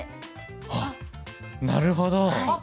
あっなるほど！